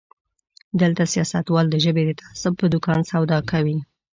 دلته سياستوال د ژبې د تعصب په دوکان سودا کوي.